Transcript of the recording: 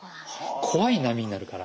怖い波になるから。